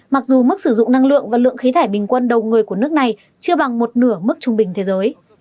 mặc dù mức sử dụng năng lượng và lượng khí thải bình quân đầu người của nước này chưa bằng một nửa mức trung bình thế giới